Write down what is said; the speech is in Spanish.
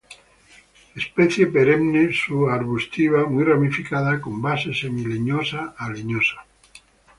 Especie perenne sub-arbustiva muy ramificada, con base semi-leñosa a leñosa.